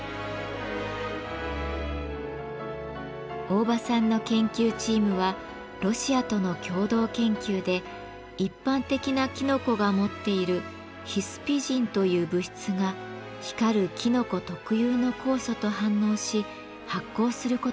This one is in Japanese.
大場さんの研究チームはロシアとの共同研究で一般的なきのこが持っている「ヒスピジン」という物質が光るきのこ特有の酵素と反応し発光することを突き止めました。